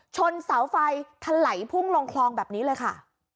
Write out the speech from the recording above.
ชนเสาไฟทะไหลพุ่งลงคลองแบบนี้เลยค่ะ